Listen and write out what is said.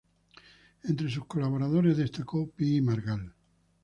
Entre sus colaboradores destacó Pi y Margall.